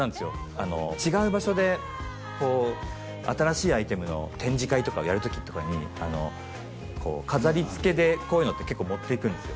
あの違う場所で新しいアイテムの展示会とかをやる時とかにあのこう飾りつけでこういうのって結構持っていくんですよ